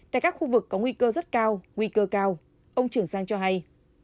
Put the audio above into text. tại các khu vực có nguy cơ rất cao nguy cơ cao ông trưởng giang cho hay